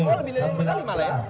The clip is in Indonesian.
oh lebih dari lima kali malah ya